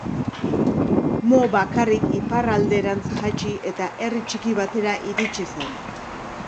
Mo bakarrik iparralderantz jaitsi eta herri txiki batera iritsi zen.